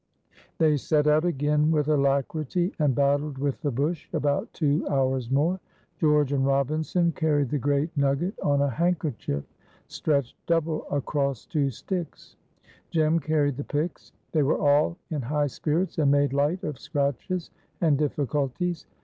They set out again with alacrity, and battled with the bush about two hours more. George and Robinson carried the great nugget on a handkerchief stretched double across two sticks, Jem carried the picks. They were all in high spirits, and made light of scratches and difficulties.